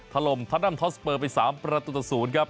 ทะลมทัศน์แนมทอสเปิดไป๓ประตูตะศูนย์ครับ